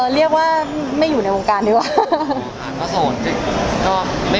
เรียกว่าไม่อยู่ในวงการดีกว่า